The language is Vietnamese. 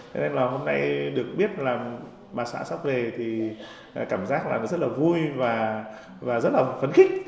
thế nên là hôm nay được biết là bà xã sắp về thì cảm giác là rất là vui và rất là phấn khích